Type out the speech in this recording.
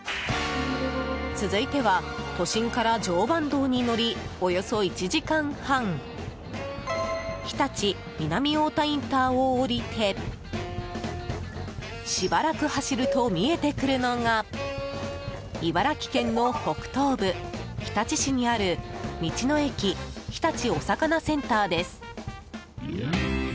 続いては、都心から常磐道に乗りおよそ１時間半日立南太田インターを降りてしばらく走ると見えてくるのが茨城県の北東部、日立市にある道の駅日立おさかなセンターです。